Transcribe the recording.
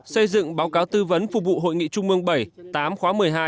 xây dựng báo cáo tư vấn phục vụ hội nghị trung mương bảy tám khóa một mươi hai